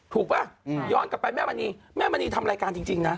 ถูกปะย้อนกลับไปแม่มันนี่แม่มันนี่ทำรายการจริงนะ